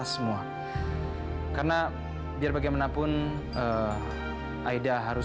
semoga tidak bisa dib alpha